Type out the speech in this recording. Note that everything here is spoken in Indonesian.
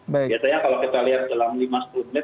biasanya kalau kita lihat dalam lima sepuluh menit